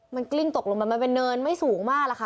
มันกลิ้งตกลงไปมันเป็นเนินไม่สูงมากอะค่ะ